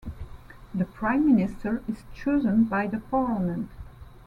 The prime minister is chosen by the parliament.